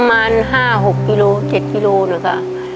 ประมาณ๕๖พิโลเมตร๗พิโลน่ะค่ะ